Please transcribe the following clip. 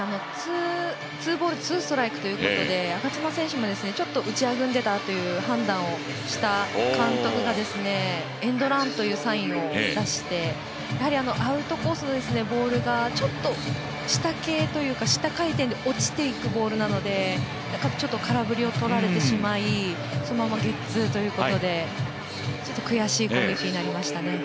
ツーボール、ツーストライクということで、我妻選手もちょっと打ちあぐんでたという判断をした監督がエンドランというサインを出して、やはりアウトコースのボールがちょっと下系というか下回転で落ちていくボールなのでちょっと空振りを取られてしまいそのままゲッツーということでちょっと悔しい攻撃になりましたね。